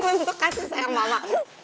bentuk kasih sayang mama